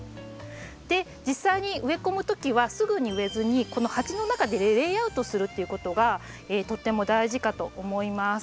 実際に植え込む時はすぐに植えずにこの鉢の中でレイアウトするっていうことがとっても大事かと思います。